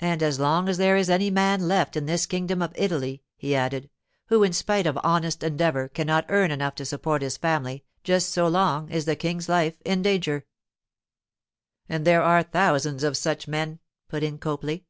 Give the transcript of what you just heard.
And as long as there is any man left in this kingdom of Italy,' he added, 'who, in spite of honest endeavour, cannot earn enough to support his family, just so long is the King's life in danger.' 'And there are thousands of such men,' put in Copley.